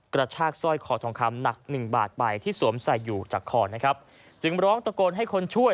กระชากสร้อยคอทองคำหนักหนึ่งบาทไปที่สวมใส่อยู่จากคอนะครับจึงร้องตะโกนให้คนช่วย